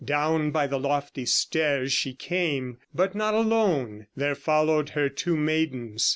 Down by the lofty stairs She came, but not alone; there followed her Two maidens.